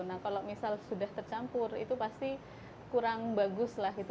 nah kalau misal sudah tercampur itu pasti kurang bagus lah gitu